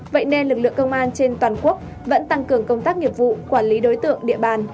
vậy nên lực lượng công an trên toàn quốc vẫn tăng cường công tác nghiệp vụ quản lý đối tượng địa bàn